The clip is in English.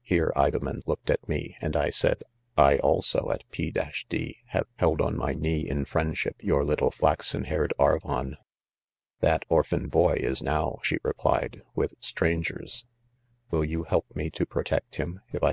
5 " "Here ' 'Idbmen' looked at me ;and ;•! said, 1 alsq ; a# P —; ^d' i have' helci' on 'my kride in friendship,' your little flaxen haired 'Anton." • c That 7 orphan boy, is now, she replied, wiili strangers; will* you help me to 'protect him, if "1.